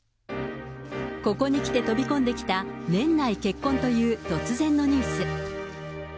ここにきて飛び込んできた年内結婚という突然のニュース。